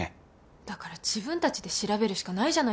だから自分たちで調べるしかないじゃないですか。